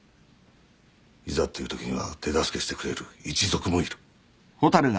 いざっていうときには手助けしてくれる一族もいる。